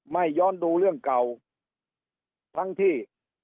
ย้อนดูเรื่องเก่าทั้งที่